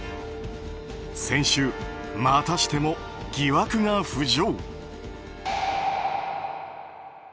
先週、またしても疑惑が浮上。